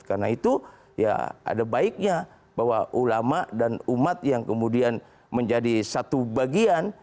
karena itu ya ada baiknya bahwa ulama dan umat yang kemudian menjadi satu bagian